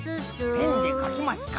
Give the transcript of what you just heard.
ペンでかきますか。